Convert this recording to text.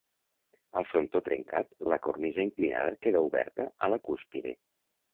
Al frontó trencat la cornisa inclinada queda oberta a la cúspide.